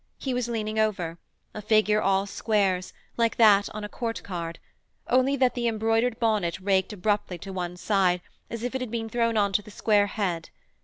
He was leaning over, a figure all squares, like that on a court card, only that the embroidered bonnet raked abruptly to one side as if it had been thrown on to the square head.